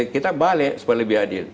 kita balik supaya lebih adil